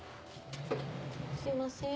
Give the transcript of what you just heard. すいません。